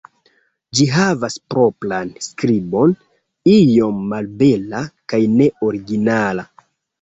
Ĝi havas propran skribon, iom malbela kaj ne originala.